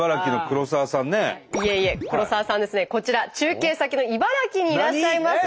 黒沢さんですねこちら中継先の茨城にいらっしゃいます。